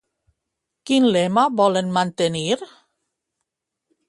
Quin lema volen mantenir?